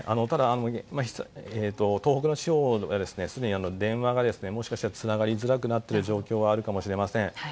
ただ、東北地方ではすでに電話がもしかしたらつながりづらくなっている状況があるかもしれません。